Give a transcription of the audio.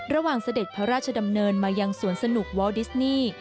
เสด็จพระราชดำเนินมายังสวนสนุกวอลดิสนี่